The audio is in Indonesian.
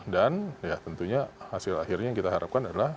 dan tentunya hasil akhirnya yang kita harapkan adalah